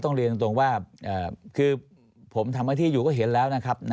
ต้องเรียนตรงว่าคือผมทำอาทิตย์อยู่ก็เห็นแล้วนะครับ